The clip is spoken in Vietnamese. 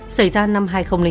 xảy ra năm hai nghìn ba